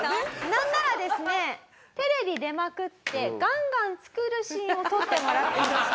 なんならですねテレビ出まくってガンガン作るシーンを撮ってもらっていました。